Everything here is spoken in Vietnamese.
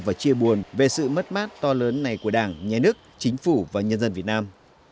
và chia buồn về sự mất mát to lớn này của đảng nhà nước chính phủ và nhân dân việt nam